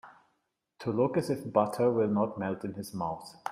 To look as if butter will not melt in his mouth.